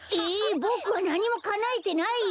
ボクはなにもかなえてないよ。